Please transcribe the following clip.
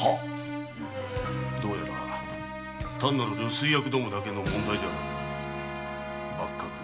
どうやら単なる留守居役どもだけの問題ではなく幕閣